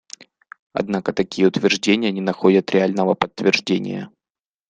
Однако такие утверждения не находят реального подтверждения.